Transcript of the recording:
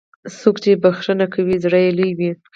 څوک چې بښنه کوي، زړه یې لوی وي.